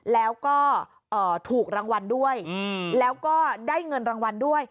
แล้วก็ถูกรางวัลด้วยแล้วก็ได้เงินรางวัลด้วย